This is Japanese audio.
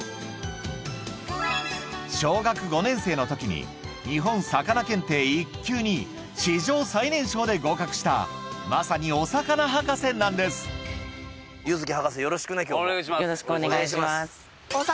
小学５年生のときに日本さかな検定１級に史上最年少で合格したまさにお魚博士なんです柚貴博士よろしくね今日も。